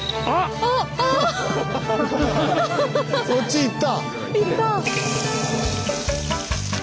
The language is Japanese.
そっち行った。